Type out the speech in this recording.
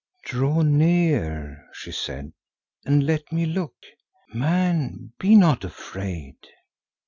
"Draw near," she said, "and let me look. Man, be not afraid."